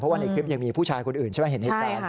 ว่าในคลิปยังมีผู้ชายคนอื่นใช่ไหมเห็นเหตุการณ์